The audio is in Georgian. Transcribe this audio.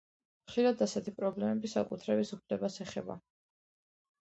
ხშირად ასეთი პრობლემები საკუთრების უფლებას ეხება.